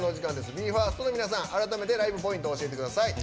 ＢＥ：ＦＩＲＳＴの皆さん改めてライブポイントを教えてください。